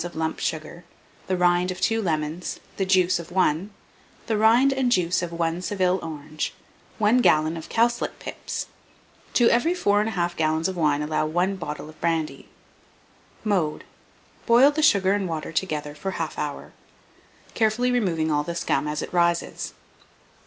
of lump sugar, the rind of 2 lemons, the juice of 1, the rind and juice of 1 Seville orange, 1 gallon of cowslip pips. To every 4 1/2 gallons of wine allow 1 bottle of brandy. Mode. Boil the sugar and water together for 1/2 hour, carefully removing all the scum as it rises.